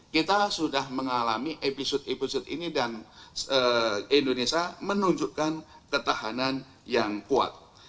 kita sudah mengalami episode episode ini dan indonesia menunjukkan ketahanan yang kuat